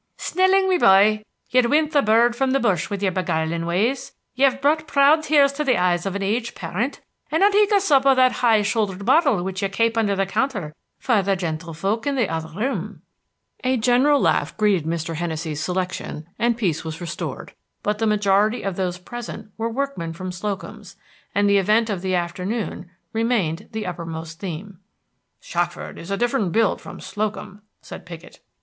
"Snelling, me boy, ye'd win the bird from the bush with yer beguilin' ways. Ye've brought proud tears to the eyes of an aged parent, and I'll take a sup out of that high showldered bottle which you kape under the counter for the gentle folk in the other room." A general laugh greeted Mr. Hennessey's selection, and peace was restored; but the majority of those present were workmen from Slocum's, and the event of the afternoon remained the uppermost theme. "Shackford is a different build from Slocum," said Piggott.